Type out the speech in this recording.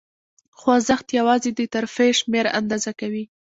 خوځښت یواځې د ترفیع شمېر آندازه کوي.